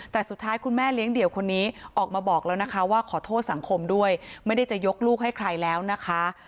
แต่สุดท้ายคุณแม่เลี้ยงเดี่ยวคนนี้ออกมาบอกแล้วนะคะว่าขอโทษสังคมด้วยไม่ได้จะยกลูกให้ใครแล้วนะคะ